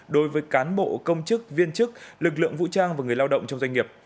đối với cán bộ công chức viên chức lực lượng vũ trang và người lao động trong doanh nghiệp